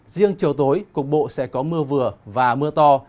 riêng chiều tối cục bộ sẽ có mưa vừa và mưa to